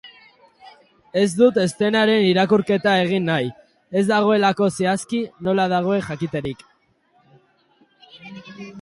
Ez dut eszenaren irakurketa egin nahi, ez dagoelako zehazki nola dagoen jakiterik.